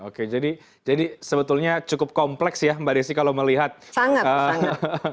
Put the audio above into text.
oke jadi sebetulnya cukup kompleks ya mbak desi kalau melihat perang yang terjadi